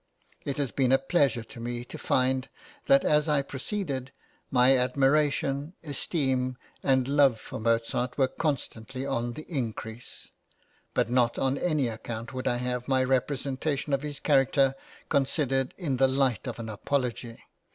It has been a pleasure to me to find that as I proceeded, my admiration, esteem, and love for Mozart were constantly on the increase; but not on any account would I have my representation of his character considered in the light of an apology.